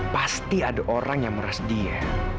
pasti ada orang yang meras dia